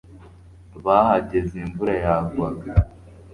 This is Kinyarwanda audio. Bahageze imvura yagwaga